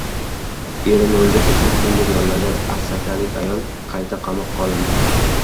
Erini o‘ldirish uchun «killer» yollagan asakalik ayol qayta qamoqqa olindi